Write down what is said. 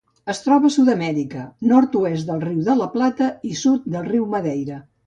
Es troba a Sud-amèrica: nord-oest del Riu de La Plata i sud del riu Madeira.